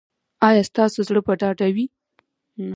ایا ستاسو زړه به ډاډه وي؟